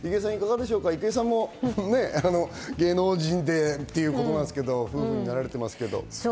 郁恵さんも芸能人でということですけれど、夫婦になられてますけど。